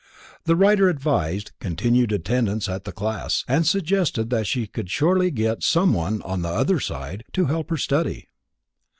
The writer advised continued attendance at the classes, and suggested that she could surely get someone "on the other side" to help her study.